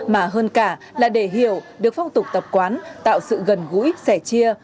mà hơn cả là để hiểu được phong tục tập quán tạo sự gần gũi